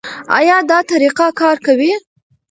ایا دا طریقه کار کوي؟